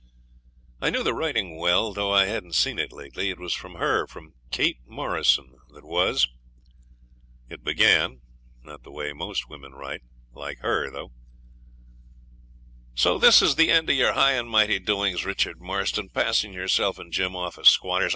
I knew the writing well, though I hadn't seen it lately. It was from her from Kate Morrison that was. It began not the way most women write, like HER, though So this is the end of your high and mighty doings, Richard Marston, passing yourself and Jim off as squatters.